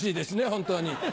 本当に。